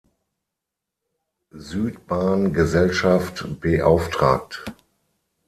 Südbahn-Gesellschaft beauftragt.